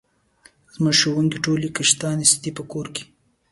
زموږ ښوونکې ټولې کښېناستي په کور کې